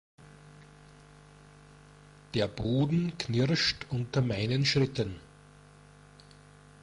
Der Boden knirscht unter meinen Schritten.